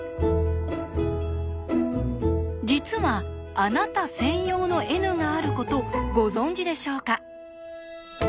実はあなた専用のＮがあることご存じでしょうか？